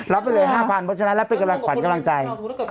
รับไปเลย๕๐๐๐บาทเพราะฉะนั้นรับไปกำลังขวัญกำลังใจ